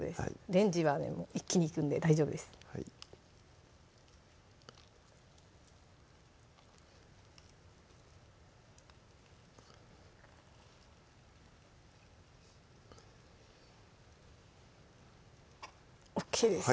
レンジは一気にいくんで大丈夫ですはいＯＫです